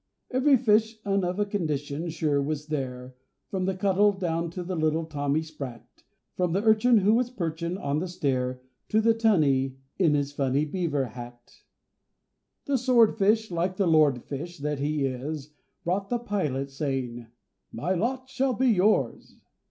Every fish 'un of condition sure was there, From the Cuttle down to little Tommy Spratt; From the Urchin who was perchin' on the stair, To the Tunny in his funny beaver hat. The Sword fish, like the lord fish that he is, Brought the Pilot, saying "My lot shall be yours!"